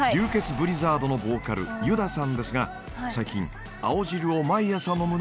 ブリザードのボーカルＪＵＤＡさんですが最近青汁を毎朝飲むのが日課だそうです。